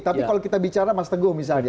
tapi kalau kita bicara mas teguh misalnya